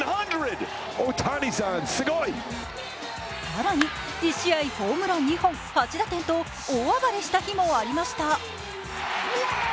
更に、１試合ホームラン２本、８打点と大暴れした日もありました。